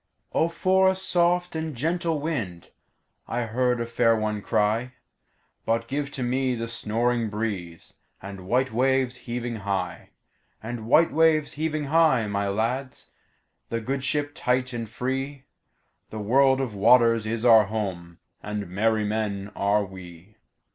"O for a soft and gentle wind!"I heard a fair one cry:But give to me the snoring breezeAnd white waves heaving high; And white waves heaving high, my lads, The good ship tight and free—The world of waters is our home, And merry men are we.